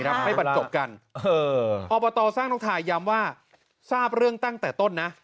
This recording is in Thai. ให้บรรจบกันอบตสร้างนกทายย้ำว่าทราบเรื่องตั้งแต่ต้นนะ